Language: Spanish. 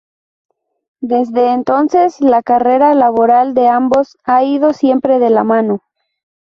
Desde entonces, la carrera laboral de ambos ha ido siempre de la mano.